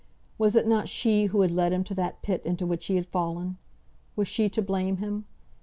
Was it not she who had led him to the pit into which he had fallen? Was she to blame him?